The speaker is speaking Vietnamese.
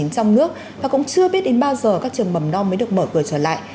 một mươi chín trong nước và cũng chưa biết đến bao giờ các trường bậc mầm non mới được mở cửa trở lại